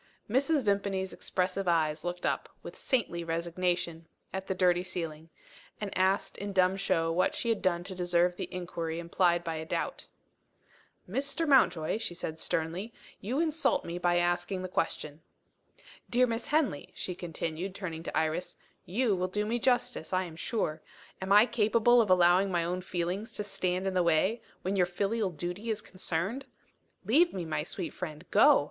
Mrs. Vimpany's expressive eyes looked up, with saintly resignation, at the dirty ceiling and asked in dumb show what she had done to deserve the injury implied by a doubt. "Mr. Mountjoy," she said sternly, "you insult me by asking the question." "Dear Miss Henley," she continued, turning to Iris, "you will do me justice, I am sure. Am I capable of allowing my own feelings to stand in the way, when your filial duty is concerned? Leave me, my sweet friend. Go!